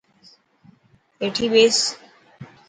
هيٺي ٻيٺس.